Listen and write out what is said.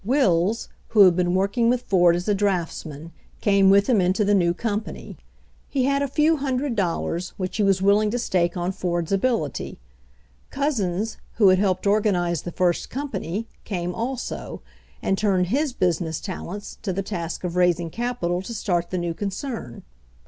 Wills, who had been working with Ford as a draughtsman, came with him into the new company. He had a few hundred dollars, which he was willing to stake on Ford's ability. Couzens, who had helped organize the first com pany, came also, and turned his business talents to the task of raising capital to start the new con cern.